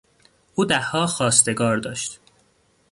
او دهها خواستگار داشت.